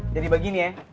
jadi begini ya